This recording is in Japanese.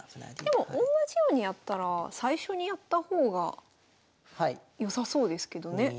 でもおんなじようにやったら最初にやった方が良さそうですけどね。